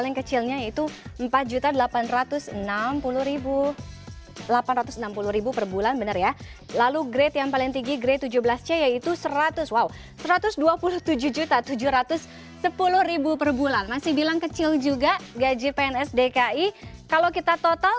ini adalah yang kedua